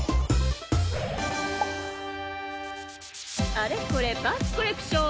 あれこれパンツコレクション！